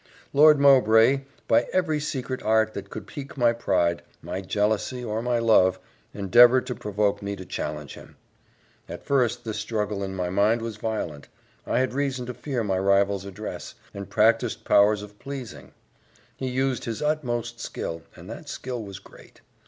Lord Mowbray, by every secret art that could pique my pride, my jealousy, or my love, endeavoured to provoke me to challenge him. At first this struggle in my mind was violent I had reason to fear my rival's address, and practised powers of pleasing. He used his utmost skill, and that skill was great.